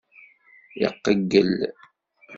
Iqeyyel.